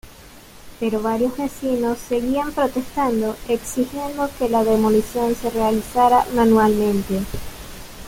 Pero varios vecinos seguían protestando exigiendo que la demolición se realizara manualmente.